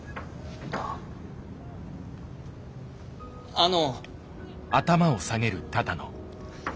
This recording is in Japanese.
あの。